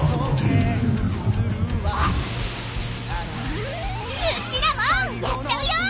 うちらもやっちゃうよ！